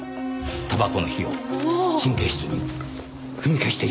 たばこの火を神経質に踏み消していました。